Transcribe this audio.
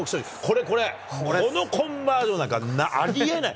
これこれ、このコンバージョンなんかありえない。